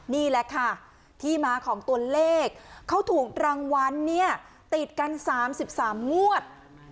นี่แหละค่ะที่มาของตัวเลขเขาถูกรางวัลเนี่ยติดกัน๓๓งวด